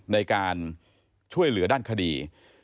ในการช่วยเหลือด้านคดี